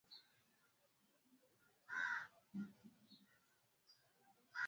toa motoni mkate ukiwa tayari